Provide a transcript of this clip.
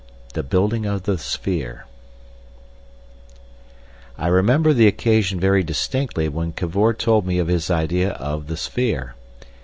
The Building of the sphere I remember the occasion very distinctly when Cavor told me of his idea of the sphere.